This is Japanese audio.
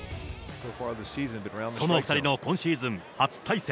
その２人の今シーズン初対戦。